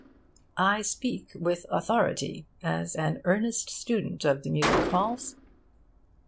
I speak with authority, as an earnest student of the music halls.